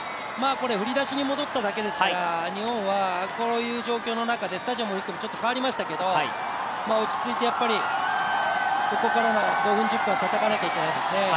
振り出しに戻っただけですから、日本はこういう状況の中で、スタジアムの雰囲気も変わりましたけど、落ち着いてここからの５分、１０分は戦わないといけないですね。